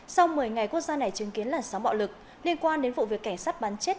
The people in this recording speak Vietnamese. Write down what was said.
sau một mươi ngày quốc gia này chứng kiến làn sóng bạo lực liên quan đến vụ việc cảnh sát bắn chết